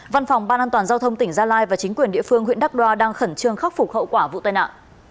văn phòng ban an toàn giao thông tỉnh gia lai và chính quyền địa phương huyện đắk đoa đang khẩn trương khắc phục hậu quả vụ tai nạn